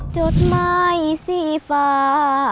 จดไม้สีฟ้า